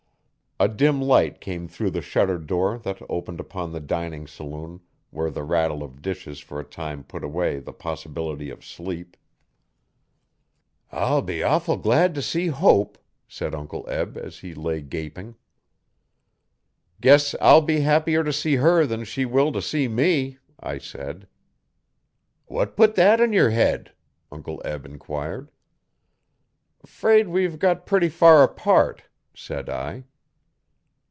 A dim light came through the shuttered door that opened upon the dinning saloon where the rattle of dishes for a time put away the possibility of sleep. 'I'll be awful glad t' see Hope,' said Uncle Eb, as he lay gaping. 'Guess I'll be happier to see her than she will to see me,' I said. 'What put that in yer head?' Uncle Eb enquired. ''Fraid we've got pretty far apart,' said I.